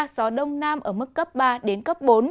gió đông nam ở mức cấp ba đến cấp bốn